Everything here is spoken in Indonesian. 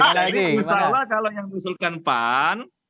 insya allah kalau yang mengusulkan pan